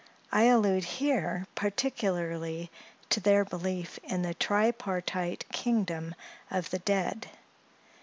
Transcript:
I allude here particularly to their belief in the tripartite kingdom of the dead.